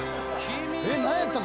えっ何やった？